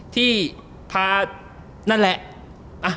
ที่พานั่นแหละ